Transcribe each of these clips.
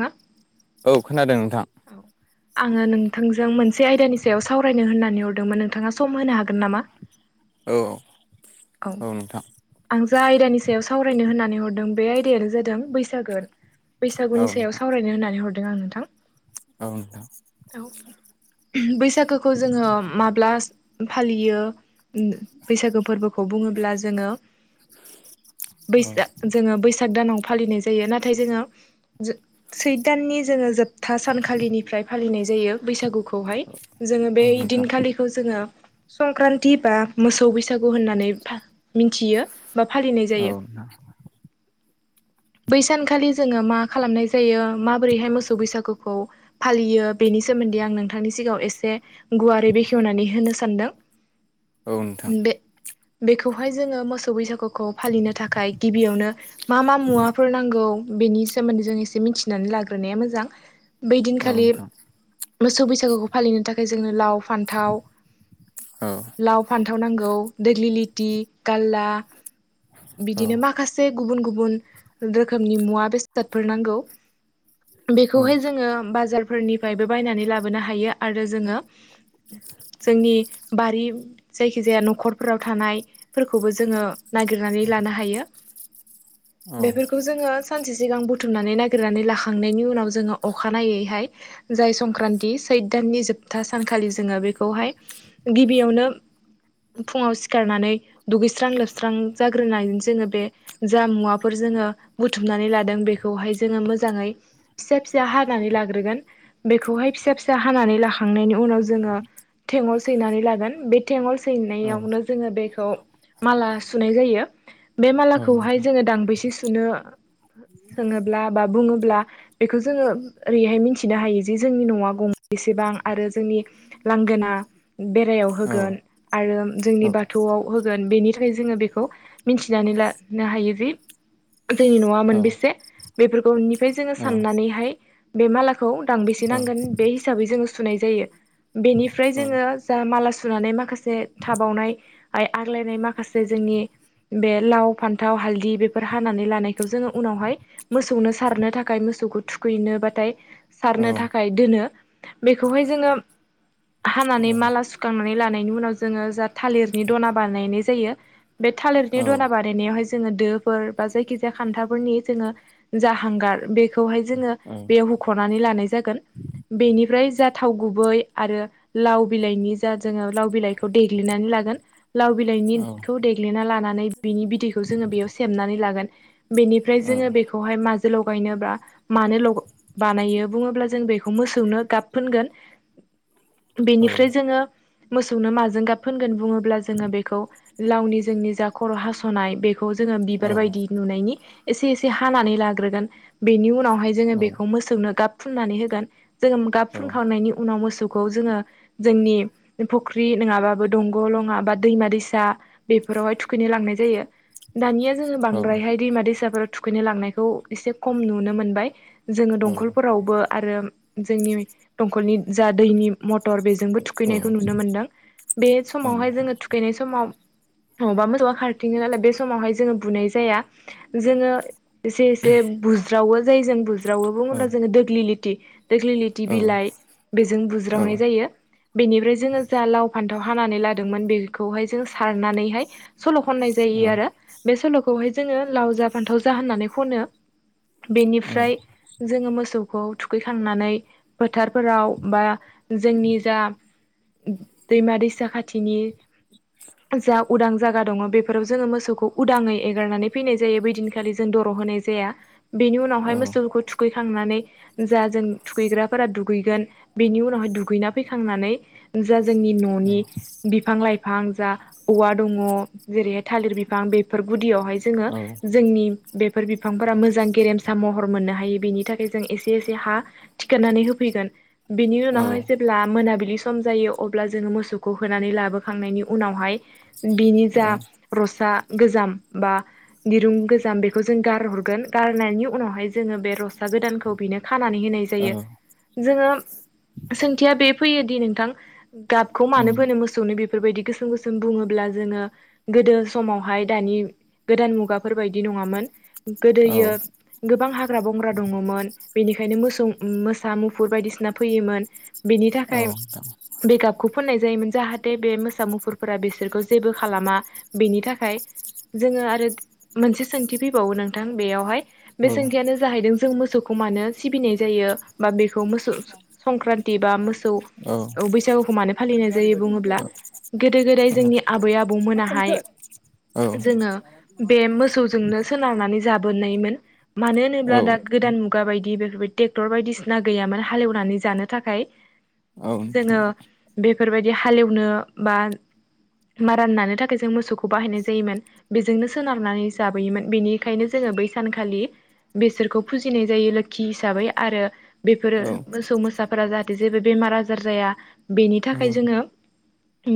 ना? औ खोनादों। नोंथां औ आङो नोंथांजों मोनसे आयदानि सायाव सावरायनो होननानै हरदोंमोन नोंथाङा सम होनो हाग गोन नामा? औ औ आं जा आयदानि सायाव सावरायनो होननानै नो हरदों बे आयदायानो जादों बैसागो। औ बैसागुनि सायाव नोंथां सावरायनो होननानै हरदों आं नोंथां। औ नोंथां औ बैसागोखौ जोङो माब्ला फालियो ओम बैसागो फोरबो खौ बुङोब्ला जोङो औ बैसाग जोङो बैसाग दानाव फालिनाय जायो। नाथाय जोङो सैथ दाननि जोङो जोब था सानखालिनिफ्राय फालिनाय जायो बैसागुखौहाय, जोङो औ बे नोंथां दिनखालिखौ जोङो संक्रान्ति बा मोसौ बैसागु होननानै फा मिथियो बा फालिनाय औ जायो। बै सानखालि जोङो मा खालामनाय जायो, माबोरैहाय मोसौ बैसागुखौ फालियो, बेनि सोमोन्दै सोमोन्दै आं नोंथांनि सिगाङाव एसे गुवारै बेखेवनानै होनो सानदों। औ नोंथां। बे बेखौहाय जोङो मोसौ बैसागुखौ फालिनो थाखाय गिबियावनो मा मा मुवाफोर नांगौ बेनि सोमोन्दै जों एसे मिथिनानै लाग्रोनाया मोजां। बै औ दिनखालि नोंथां मोसौ बैसागुखौ फालिनो थाखाय जोंनो लाव फान्थाव औ नोंथां लाव फान्थाव नांगौ। देग्लिलि दि खाल्ला बिदिनो औ मासे गुबुन-गुबुन रोखोमनि मुवा- बेसादफोर नांगौ बेखौहाय जोङो बाजारफोरनिफ्रायबो बायनानै लाबोनो हायो आरो जोङो जोंनि बारि जायखि जाया न'खरफोराव थानायफोरखौबो जोङो नागिरनानै लानो हायो। औ बेफोरखौ जोङो सानसे सिगां बुथुमनानै नागिरनानै लाखांनायनि उनाव जोङो अखानायनायैहाय जाय संक्रान्त सै दाननि नि जोबथा सानखालि जोबथा सानखालि जोङो बेखौहाय गिबियावनो फुङाव सिखारनानै दुगैस्रां-लोबस्रां जाग्रोनायजों जोङो बे जा मुवाफोर जोङो बुथुमनानै लादों बेखौहाय जोङो मोजाङै फिसा-फिसा हानानै लाग्रोगोन बेखौहाय फिसा -फिसा हानानै लाखांनायनि उनाव जोङो थेंगल सैनानै लागोन बे थेंगल औ सैनायावनो जोङो बेखौ माला सुनाय होयो बे औ मालाखौहाय नोंथां जोङो दांबैसे सुनो सोङोब्ला बा बुङोब्ला बेखौ जोङो ओरैहाय मिथिनो हायो जे जोंनि न'आ गं बेसेबां आरो जोंनि लांगोना बेरायाव औ होगोन आरो जोंनि औ औ बाथौआव होगोन बेनिथाखाय जोङो बेखौ मिथिनानै लानो हायो जि जोंनि न'आ औ औ औ मोनबेसे? बेफोरखौनिफ्राय जोङो नोंथां औ साननानैहाय बे मा ला खौ दांबोसे नांगौ बे हिसाबै जो सुनाय जायो। बिनिफ्राय जोङो जा माला सु सुनानै माखासे थाबावनाय आग्लायनाय माखासे जोंनि बे लाव, फान्थाव, हालदि बेफोर हानानै लानायखौ जोङो उनावहाय मोसौनो सारनो थाखाय मोसौखौ थुखैनोबाथाय सारनो थाखाय दोनो बेखौहाय जोङो हानानै माला सुखांनानै लानायनि उनाव जोङो जा थालिरनि दना बानायनाय जायो। बे थालिरनि दना बानायनायावहाय जोङो जोङो दोफोर बा जायखि जाया खान्थाफोरनि जोङो जा हांगार बेखौ खौहाय जोङो बेयाव हुख'नानै लानाय जागोन बेनिफ्राय जाथाव गुबै आरो लाव बिलाइनि जा जोङो लाव बिलाइखौ देग्लिनानै लागोन लाव बिलाइनिखौ देग्लिना लानानै बिनि बिदैखौ जोङो बेयाव सेबनानै लागोन। बेनिफ्राय जोङो बेखौहाय माजो लगायनोब्ला मानो ल बानायो बुङोब्ला जों बेखौ मोसौनो गाब फुनगोन बेनिफ्राय जोङो मोसौनो माजों गाब फोनगोन बुङोब्ला जों जोङो बेखौ लावनि जोंनि जा खर' हास'नाय बेखौ जोङो बिबार बायदि नुनायनि एसे-एसे हानानै लाग्रोगोन बेनि उनावहाय जोङो बेखौ मोसौनो गाब फुननानै होगोन जोङो गाब फुनखांनायनि उनाव मोसौखौ खौ जोङो जोंनि फुख्रि नङाबाबो दंग' लङा बा दैमा- दैसा, बेफोरावहाय थुखैनो लांनाय जायो दानिया जोङो बांद्रायहाय दैमा दैसाफोर थुखैनो लांनायखौ एसे खम नुनो मोनबाय जोङो दंखलफोरावबो आरो जोंनि दंखलनि जा दैनि मटर बेजोंबो थुखैनायखौ नुनो मोनदों बे समावहाय जोङो थुखैनाय समाव मबबा मोनोसेबा खारथिङो नालाय बे समावहाय जोङो बुनाय जाया जोङो एसे - एसे बुज्रावो जाय जों बुज्रावो बुङोब्ला जोङो दोग्लि लेथि। दोख्लिलिथि बिलाइ बेजों बुज्रावनाय जायो बेनिफ्राय जोङो जा लाव फान ' [unintelligible] खौहाय जोङो लाव जा, फान्थाव जा होननानै खनो बेनिफ्राय जोङो मोसौ खौ थुखैखांनानै फोथारफोराव बा जोंनि जा दैमा -दैसा खाथिनि जा उदां जा द बेफोराव जोङो मोसखौ उदाङै एगारनानै फैनाय जायो बैदिनखालि जों दर' होनाय जाया। बे उनावहाय मोसौखौ थुखै खांनानै जा जों थुखैग्राफोरा दुगैगोन बेनि उनावहाय दुगैना फैखांनानै जा जोंनि न'नि बिफां लाइफां जा औवा दङ जेरै थालिर बिफां बेफोर गुदियावहाय जोङो जोंनि बेफोर बिफांफोरा मोजां गेरेमसा महर मोननो हायो। [unintelligible] सम जायो अब्ला जोङो मोसौखौ होनानै लाबोखांनायनि उनावहाय बिनि जा रसा गोजाम बा दिरुं गोजाम बेखौ जों गारहरगोन गारनायनि उनावहाय जोङो बे रसा गोदानखौ बेनो खानानै होनाय जायो जोङो सोंथिया बे फैयोदि नोंथां। गाबखौ मानो फोनो मोसौनो बेफोर फोरबायदि गोसोम गोसोम बुङोब्ला जोङो गोदो समावहाय दानि गोदान मुगाफोर बायदि नङा औ गोदोयै‌ गोबां हाग्रा बंग्रा दङमोन। ओंखायनो मोसौ मोसा मुफुर बायदिसिना फैयोमोन बेनि औ थाखाय औ बे गाबखौ फोननाय जायोमोन जाहाथे बे मोसा मुफुरफोरा बिसोरखौ जेबो खालामा बेनि थाखाय जोङो आरो मोनसे सोंथि फैबावो नोंथां बेयावहाय औ बे सोंथियानो जाहैदों जों मोसौखौ मानो सिबिनाय जायो बा बेखौ मोसौ संक्रान्ति बा मोसौ बैसागु हानो फालिनाय जायो बुङोब्ला गोदो गोदाय जोंनि आबै आबौमोनाहाय औ जोङो बे मोसौजोंनो सोनारनानै जाबो औ [unintelligible] ट्रेक्टर बायदिसिना गैयामोन हालेवनानै जानो थाखाय औ नोंथां जोङो बेफोरबायदि हालेवनो बा मारान नानो थाखाय जों मोसौखौ बाहायनाय जायोमोन बेजोंनो सोनारनानै जाबोयोमोन बेनिखायनो जों जों बै सानखालि बेसोरखौ फुजिनाय जायो लोखि हिसाबै आरो बेफोरो औ मोसौ मोसाफोरा जाहाथे जेबो बेमार आजार जाया बेनि औ थाखाय जोङो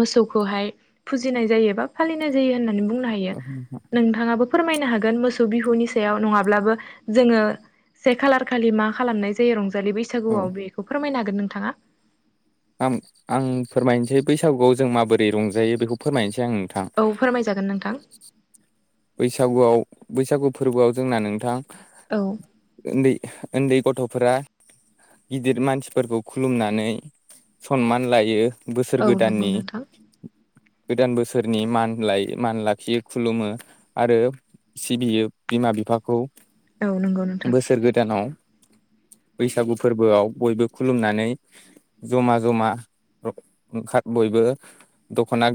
मोसौखौहाय फुजिनाय जायो बा फालिनाय जायो होननानै बुंनो हायो औ नोंथां नोंथाङाबो फोरमायनो हागोन मोसौ बिहुनि सायाव नङाब्लाबो जोङो से खालार खालि मा खालामनाय जायो रंजालि औ बैसागुआव बेखौ फोरमायनोन गोन नोंथाङा? आ आं फोरमायनोसै बैसागुआव जों माबोरै रंजायो बेखौ फोरमायनोसै। आं नोंथां औ फोरमायजागोन नोंथां। बैसागुआव बैसागु फोरबोआव जोंना नोंथां औ उन्दै उन्दै गथ'फोरा गिदिर मानसिफोरखौ खुलुमनानै सनमान लायो। बोसोर औ नंगौ गोदाननि। नोंथां। गोदान बोसोरनि मान ला मान लाखियो खुलुमो। आरो सिबियो बिमा बिफाखौ औ नंगौ नोंथां बोसोर गोदानाव। [inaudible] बैसागु फोरबोआव बयबो खुलुमनानै जमा जमा ओंखार बयबो दखना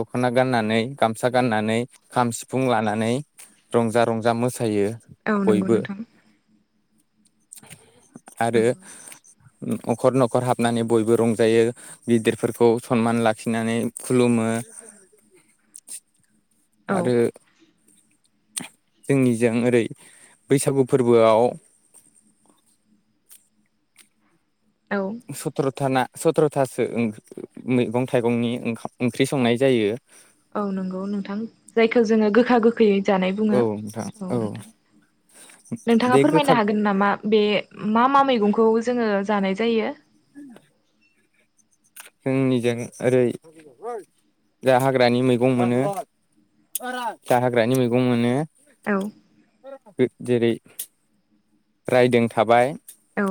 दखना गाननानै गामसा गाननानै खाम सिफुं लानानै रंजा रंजा मोसायो औ नंगौ बयबो नोंथां। आरो नंगौ नखर नखर हाबनानै बयबो रंजायो गिदिरफोरखौ सनमान लाखिनानै खुलुम- मो [unintelligible] आरो जोंनिजों ओरै बैसागु फोरबोआव औ सुत्रथाना सथ्रथासो मैगं थाइगंनि ओंखा- ओंख्रि संनाय जायो औ नंगौ नोंथां जायखौ जोङो गोखा गोखै जानाय बुङो औ नोंथां औ नोंथां नोंथाङा बे फोरमायनो गोखा हागोन नामा बे मा मा मैगंखौ जोङो जानाय जायो? [unintelligible] जोंनिजों ओरै दा हाग्रानि मैगं मोनो दा हाग्रानि मैगं मोनो औ जेरै रायदों थाबाय औ।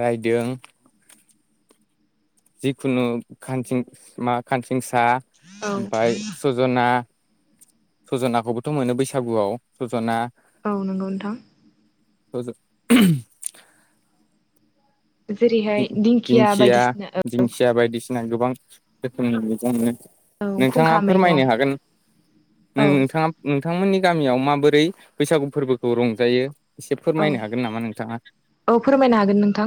राइदों। जिखुनु खानसिं- मा खानसिंसा औ ओमफ्राय सजना सजनाखौबोथ मोनो बैसागुआव सजना औ नंगौ नोंथां । औ ज जेरैहाय दिंखिया बायदिसिना औ दिंखिया बायदिसिना गोबां रोखोमनि मैगं मोनो। नोंथाङा खुंखा मैगं फोरमायनो हागोन औ नोंथाङा नोंथांमोननि गामियाव माबोरै बैसागु फोरबोखौ रंजायो एसे औ फोरमायनो हागोन नामा नोंथाङा औ फोरमायनो हागोन नोंथां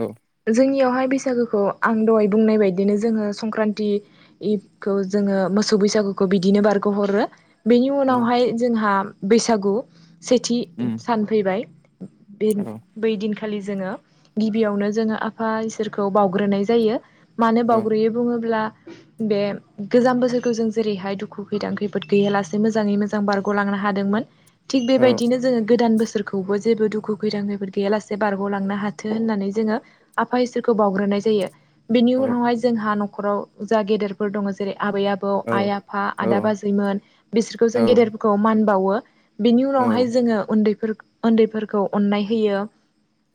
औ । जोंनियावहाय बैसागोखौ आं दहाय बुंनाय बायदि बिदिनो जोङो संक्रान्तिखौ जोङो मोसौ बैसागुखौ बिदिनो बारगहरो बेनि औ उनावहाय जोंहा बैसागु सेथि उम सान फैबाय। बे औ बैदिन खालि जोङो गिबियावनो जोङो आफा इसोरखौ बावग्रोनाय जायो । मानो औ बावग्रोयै बुङोब्ला बे गोजाम बोसोरखौ जों जेरैहाय दुखु खैदां खैफोद गैयालासे मोजाङै मोजां बारगलांनो हादोंमोन थिग औ बेबायदिनो जोङो गोदान बोसोरखौबो जेबो दुखु खैदां खैद गैयालासे बारगलांनो हाथों होननानै जोङो आफा इसोरखौ। बावग्रोनाय जायो बेनि औ उनावहाय जोंहा नखराव जा गेदेरफोर दङ' जेरै आबै आबौ आइ आफा औ आदा बाजैमोन बिसोरखौ जों औ गेदेरफोरखौ मान बावो । बिनि उनावहाय औ जोङो उन्दैफोर- उन्दैफोरखौ अननाय होयो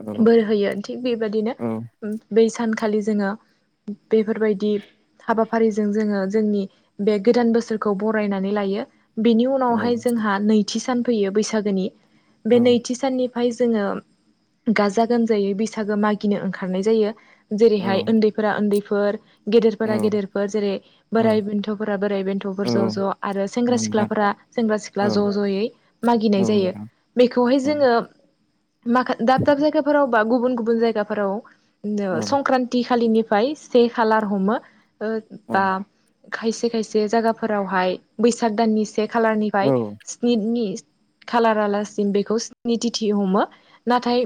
औ बोर होयो थिग बेबायदिनो औ बै सानखालि जोङो बेफोरबायदि हाबाफारिजों जोङो जोंनि बे गोदान बोसोरखौ बरायनानै लायो बेनि औ उनावहाय जोंहा नैथि सान फैयो बैसागोनि औ बे नैथि साननि ओमफाय जोङो गाजा गोमजायै बैसागो मागिनो ओंखारनाय जायो औ जेरैहाय उन्दैफोरा उन्दैफोर औ गेदेरफोरा गेदेरफोर जेरै औ बोराइ बेन्थफोरा बोराइ औ बेन्थफोर ज ज आरो सेंग्रा नोंथां सिख्लाफोरा सेंग्रा औ सिख्ला ज जयै औ मागिनाय जायो नोंथां बेखौहाय औ जोङो माखा दाब दाब जायगाफोराव बा गुबुन गुबुन औ जायगाफोराव संक्रान्ति खालिनि फ्राय से खालार हमो औ बा [unintelligible] खायसे खायसे जायागाफोरावहाय बैसाग दाननि से खालारनिफ्राय स्निनि खालारालासिम बेखौ सिनिथिथि हमो नाथाय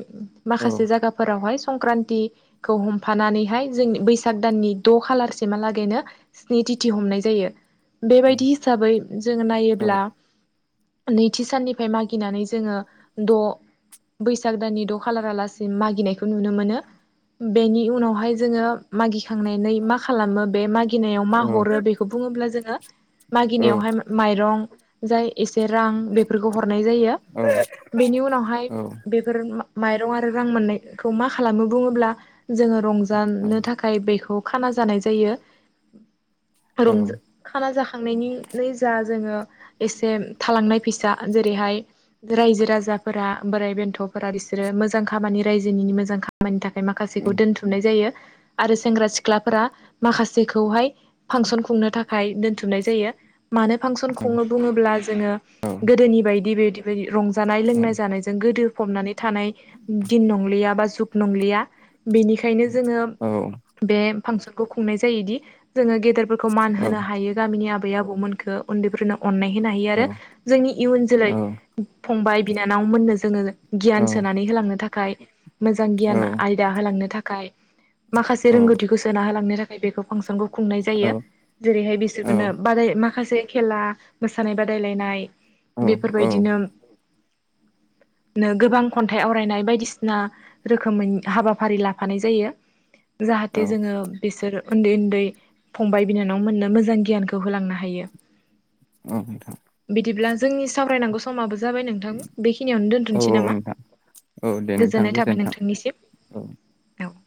माखासे जायगाफोरावहाय संक्रान्तखौ हमफानानैहाय जों बैसाग दाननि द' खालारसिमहालागैनो स्नि दिथि हमनाय जायो [unintelligible] बेबायदि हिसाबै जोङो नायोब्ला नैथि साननिफ्राय मागिनानै जोङो द' बैसाग दाननि द' खालारालासिम मागिनायखौ नुनो मोनो बेनि उनावहाय जोङो मागिखांनानै मा खालामो बे मागि [inaudible] गिनायाव मा औ नोंथां हरो बेखौ बुङोब्ला जोङो औ मागिनायावहाय माइरं जाय एसे रां बेफोरखौ हरनाय जायो। बेनि उनावहाय बेफोर माइरं आरो रां मोननायखौ मा खालामो बुङोब्ला जोङो रंजानो थाखाय बेखौ खाना जानाय जायो रंज खाना जाख थांनायनिनो जा जोङो एसे थालांनाय फैसा जेरैहाय रायजो राजाफोरा बोराइ बेन्थ'फोरा बिसोरो मोजां खामानि रायजोनि मोजां खामानि थाख खाय मासेखौ दोनथुमनाय जायो। आरो सेंग्रा सिख्लाफोरा माखासेखौहाय फांसन खुंनो थाखाय दोनथुमनाय जायो । मानो फांसन खनो बुङोब्ला जोङो गोदोनि बायदि बे रंजानाय लोंनाय जानायजों गोदो फबनानै थानाय दिन नंलिया बा जुख नंलिया बेनिखायनो जोङो बे फांसनखौ खुंनाय जायोदि जोङो गेदेरफोरखौ मान होनो हायो गामिनि आबै आबौमोनखो उन्दैफोरनो अननाय होनो हायो आरो जोंनि इयुन जोलै फंबाय बिनानावमोननो जोङो गियान सोनानै होलांनो थाखाय मोजां गियान आयदा होलांनो थाखाय माखासे रोंगौथिखौ सोना होलांनो थाखाय बेखौ फांसनखौ खुंनाय जायो ।जेरैहाय बिसोरखौनो बादाय माखासे खेला मोसानाय बादायलायनाय बेफोरबायदिनो नो गोबां खन्थाइ आवरायनाय बायदिसिना रोखोमै हाबाफारि लाफानाय जायो। जाहाथे जोङो बिसोर उन्दै उन्दै फंबाय बिनानाव मोननो मोजां गियानखौ होलांनो हायो। औ नोंथां । बिदिब्ला जोंनि सावरायनांगौ समाबो जाबाय नोंथां बेखिनियावनो दोनथ'नोसै नामा? नोंथां औ दे नोंथां गोजोननाय थाबाय गोजोन्थों औ नोंथांनिसिम औ ।